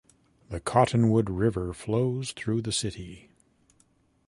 The Cottonwood River flows through the city.